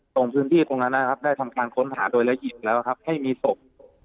ตรงพื้นที่ตรงนั้นนะครับได้ทำการค้นหาโดยละเอียดแล้วครับให้มีศพ